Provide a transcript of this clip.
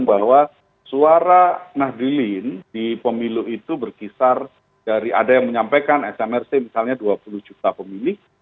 bahwa suara nahdline di pemilu itu berkisar dari ada yang menyampaikan smrc misalnya dua puluh juta pemilih